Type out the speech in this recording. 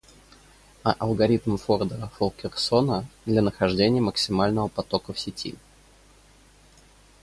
А алгоритм Форда-Фалкерсона для нахождения максимального потока в сети.